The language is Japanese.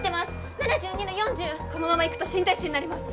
７２の４０このままいくと心停止になります